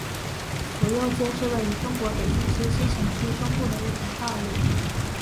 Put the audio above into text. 府右街是位于中国北京市西城区中部的一条道路。